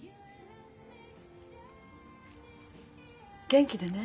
元気でね。